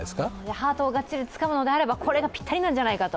ハートをがっちりつかむのであれば、これがぴったりなんじゃないかと。